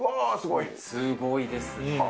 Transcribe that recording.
すごいですね。